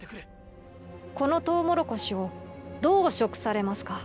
この「トウモロコシ」をどう食されますか？